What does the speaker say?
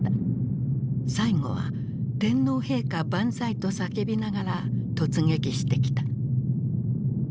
最後は「天皇陛下万歳」と叫びながら突撃してきた。